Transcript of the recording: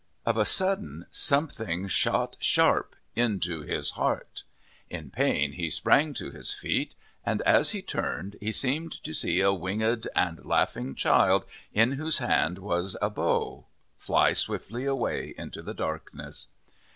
Of a sudden, something shot sharp into his heart. In pain he sprang to his feet and, as he turned, he seemed to see a winged and laughing child, in whose hand was a bow, fly swiftly away into the darkness.